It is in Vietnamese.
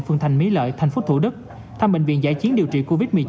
phường thành mí lợi thành phố thủ đức thăm bệnh viện giải chiến điều trị covid một mươi chín